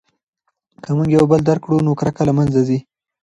که موږ یو بل درک کړو نو کرکه له منځه ځي.